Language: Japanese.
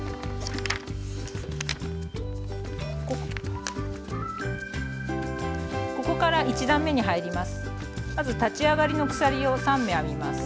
ここから１段めに入ります。